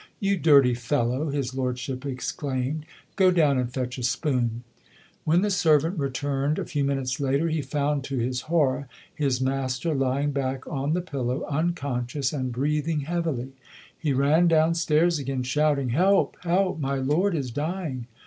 "You dirty fellow!" his lordship exclaimed. "Go down and fetch a spoon." When the servant returned a few minutes later he found, to his horror, his master lying back on the pillow, unconscious and breathing heavily. He ran downstairs again, shouting, "Help! Help! My lord is dying!"